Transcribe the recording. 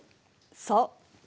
そう。